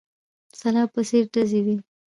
سلاب په څېر ډزې وې.